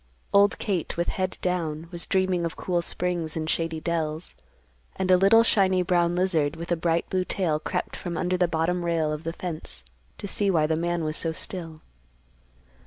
Old Kate, with head down, was dreaming of cool springs in shady dells, and a little shiny brown lizard with a bright blue tail crept from under the bottom rail of the fence to see why the man was so still.